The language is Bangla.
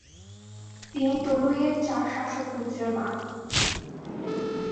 তিনি তোলুইয়ের চার শাসক পুত্রের মা।